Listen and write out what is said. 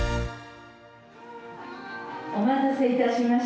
お待たせいたしました。